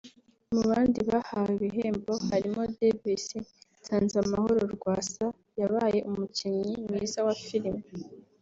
Mu bandi bahawe ibihembo harimo Denis Nsanzamahoro [Rwasa] yabaye umukinnyi mwiza wa filime